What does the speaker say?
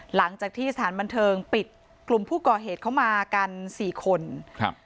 หลังจากที่สถานบันเทิงปิดกลุ่มผู้ก่อเหตุเข้ามากันสี่คนครับ